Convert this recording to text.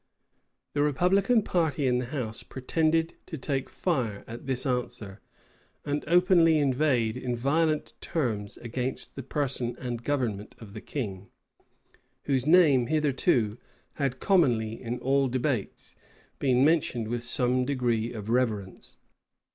The republican party in the house pretended to take fire at this answer; and openly inveighed, in violent terms, against the person and government of the king; whose name, hitherto, had commonly, in all debates, been mentioned with some degree of reverence.